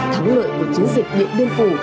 thắng lợi của chiến dịch điện biên phủ